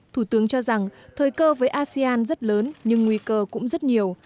thủ tướng cho rằng thời cơ với asean rất lớn nhưng nguy cơ cũng rất nhiều